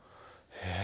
へえ。